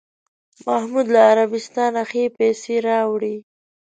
محمود له عربستانه ښې پسې راوړې.